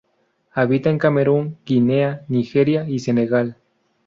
Habita en Camerún, Guinea, Nigeria y Senegal.